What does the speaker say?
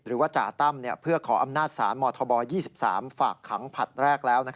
หรือว่าจ่าตั้มเพื่อขออำนาจศาลมธบ๒๓ฝากขังผลัดแรกแล้ว